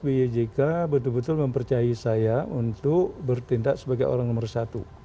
pak yjk betul betul mempercayai saya untuk bertindak sebagai orang nomor satu